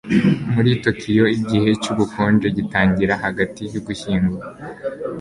muri tokiyo, igihe cyubukonje gitangira hagati yugushyingo